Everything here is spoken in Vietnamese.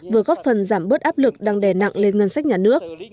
vừa góp phần giảm bớt áp lực đang đè nặng lên ngân sách nhà nước